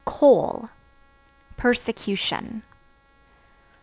Coal Persecution.